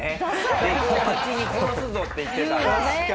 でこ八に「殺すぞ！」って言ってたら。